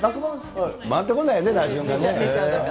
回ってこないよね、打順がね。